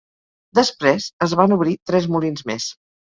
Després, es van obrir tres molins més.